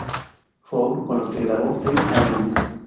Four, con los que grabó seis álbumes.